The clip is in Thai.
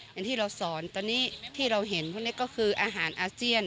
อย่างที่เราสอนตอนนี้ที่เราเห็นพวกนี้ก็คืออาหารอาเซียน